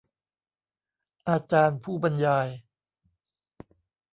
อาจารย์ผู้บรรยาย